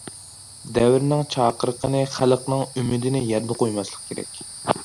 « دەۋرنىڭ چاقىرىقىنى، خەلقنىڭ ئۈمىدىنى يەردە قويماسلىق كېرەك».